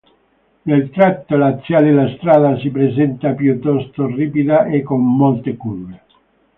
Nel tratto laziale la strada si presenta piuttosto ripida e con molte curve.